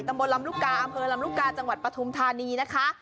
บนลำลูกกาอำเภอลำลูกกาจังหวัดปฐุมธานีนะคะ